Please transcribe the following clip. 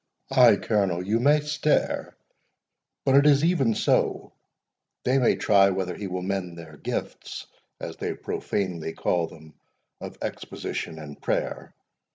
Ay, Colonel, you may stare; but it is even so—they may try whether he will mend their gifts, as they profanely call them, of exposition and prayer.